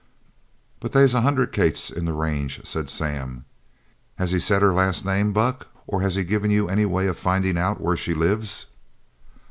"But they's a hundred Kates in the range," said Sam. "Has he said her last name, Buck, or has he given you any way of findin' out where she lives?"